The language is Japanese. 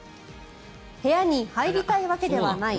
部屋に入りたいわけではない。